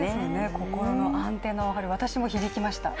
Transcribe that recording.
心のアンテナを張る、私も響きました。